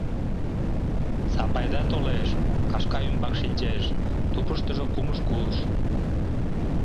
Сапайда толеш, кашка ӱмбак шинчеш, тупыштыжо кумыж курш.